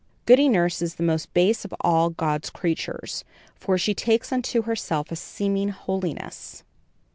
Goody Nurse is the most base of all God's creatures, for she takes unto herself a seeming holiness."